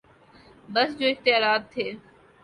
بس جو اختیارات تھے۔